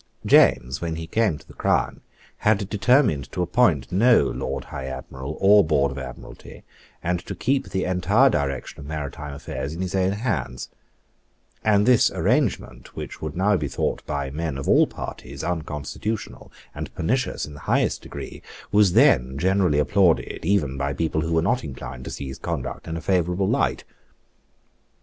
James, when he came to the crown, had determined to appoint no Lord High Admiral or Board of Admiralty, and to keep the entire direction of maritime affairs in his own hands; and this arrangement, which would now be thought by men of all parties unconstitutional and pernicious in the highest degree, was then generally applauded even by people who were not inclined to see his conduct in a favourable light.